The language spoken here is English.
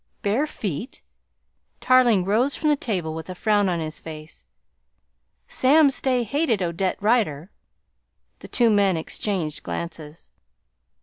"Bare feet!" Tarling rose from the table with a frown on his face. "Sam Stay hated Odette Rider." The two men exchanged glances.